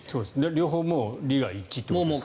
両方もう利害が一致ということですからね。